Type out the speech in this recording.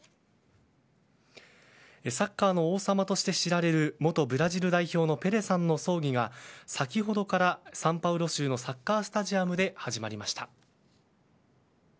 サッカーの王様として知られる元ブラジル代表のペレさんの葬儀が先ほどからサンパウロ州のサッカースタジアムで始まりました。